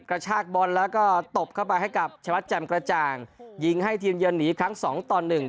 กระชากบอลแล้วก็ตบเข้าไปให้กับชวัดแจ่มกระจ่างยิงให้ทีมเยือนหนีครั้งสองต่อหนึ่ง